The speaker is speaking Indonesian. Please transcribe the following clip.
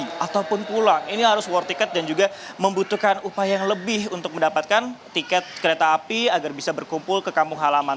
pulang ataupun pulang ini harus war tiket dan juga membutuhkan upaya yang lebih untuk mendapatkan tiket kereta api agar bisa berkumpul ke kampung halaman